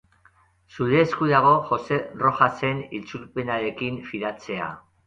Zure esku dago Joxe Rojasen itzulpenarekin fidatzea.